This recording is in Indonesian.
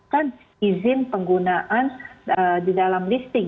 dan izin penggunaan di dalam listing